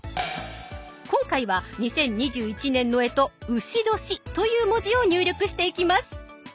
今回は２０２１年の干支「丑年」という文字を入力していきます。